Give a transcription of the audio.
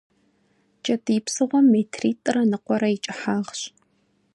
Кӏэтӏий псыгъуэм метритӏрэ ныкъуэрэ и кӏыхьагъщ.